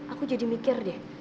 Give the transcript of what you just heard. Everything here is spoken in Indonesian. aku jadi mikir deh